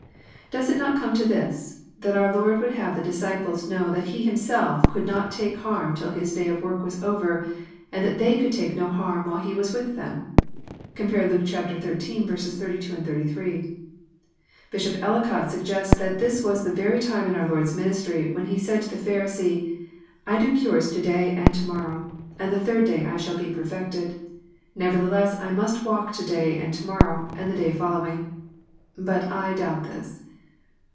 Does it not come to this, that our Lord would have the disci ples know that He Himself could not take harm till His day of work was over, and tbat they could take no harm while He was with them ? (Compare Luke xiii. 82, S3.) Bishop Ellicott sug gests that this was the very time in our Lord's ministry when He said to the Pharisee, '' I do cures to day and to morrow, and the third day I shall be perfected. Nevertheles s I must walk to day and to morrow and the day following." But I doubt this.